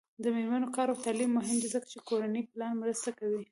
د میرمنو کار او تعلیم مهم دی ځکه چې کورنۍ پلان مرسته کوي.